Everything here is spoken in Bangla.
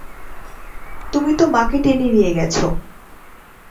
তুমি তো মাকে টেনে নিয়ে গেছ।